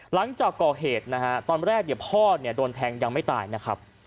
หลังจากก่อเหตุตอนแรกเดี๋ยวพ่อโดนแทงยังไม่ตายนะครับ